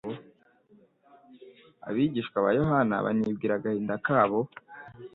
Abigishwa ba Yohana banibwira agahinda kabo